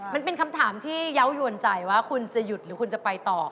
มันเป็นคำถามที่เยาวยวนใจว่าคุณจะหยุดหรือคุณจะไปต่อ